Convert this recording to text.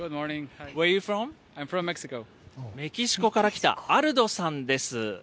メキシコから来たアルドさんです。